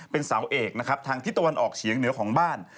เป็นเสาเอกนะครับทางทิศตะวันออกเฉียงเหนือของบ้าน